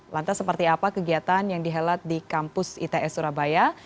lantas seperti apa kegiatan yang dihelat di kampus its surabaya